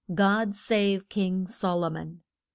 God save King So lo mon.